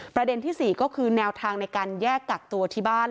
ประเด็นที่๔ก็คือแนวทางในการแยกกักตัวที่บ้าน